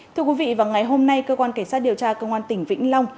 thưa quý vị vào ngày hôm nay cơ quan cảnh sát điều tra cơ quan tỉnh vĩnh long